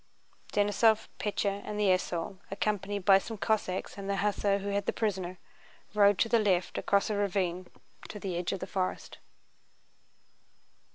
Denísov, Pétya, and the esaul, accompanied by some Cossacks and the hussar who had the prisoner, rode to the left across a ravine to the edge of the forest.